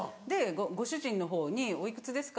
ご主人のほうに「おいくつですか？」。